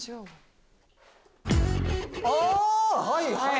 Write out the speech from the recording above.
はいはい。